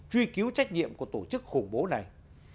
truy cứu trách nhiệm của tổ chức khủng bố này